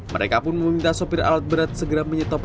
mereka pun meminta sopir alat berat segera menyetop